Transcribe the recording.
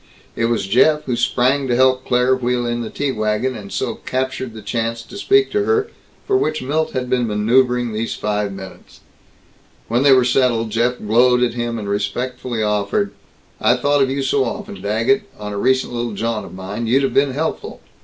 It was Jeff who sprang to help Claire wheel in the tea wagon, and so captured the chance to speak to her for which Milt had been maneuvering these five minutes. When they were settled, Jeff glowed at him, and respectfully offered, "I thought of you so often, Daggett, on a recent little jaunt of mine. You'd have been helpful."